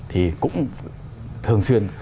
thì cũng thường xuyên